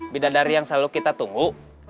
bidadari yang selalu kita tunggu